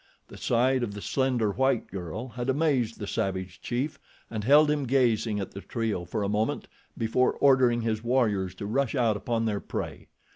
The sight of the slender white girl had amazed the savage chief and held him gazing at the trio for a moment before ordering his warriors to rush out upon their prey.